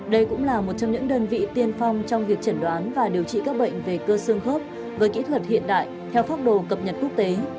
đây cũng là một trong những đơn vị tiên phong trong việc chẩn đoán và điều trị các bệnh về cơ xương khớp với kỹ thuật hiện đại theo pháp đồ cập nhật quốc tế